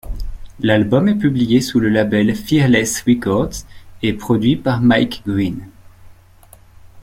L'album est publié sous le label Fearless Records, et produit par Mike Green.